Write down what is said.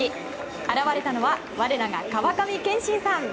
現れたのは我らが川上憲伸さん。